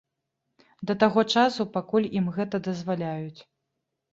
Да таго часу, пакуль ім гэта дазваляюць.